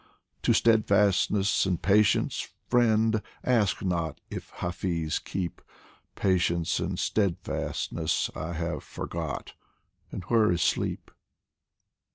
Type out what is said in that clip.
To steadfastness and patience, friend, ask not If Hafiz keep Patience and steadfastness I have forgot, And where is sleep